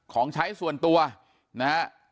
ของใช้ส่วนตัวนะฮะ